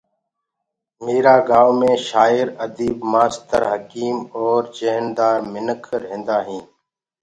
ميرآ گايونٚ مي شآير اديب مآستر حڪيم اور جيهندار منک رهيندآ هينٚ